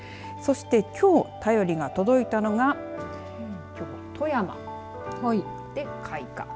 そしてきょう便りが届いたのが富山で開花。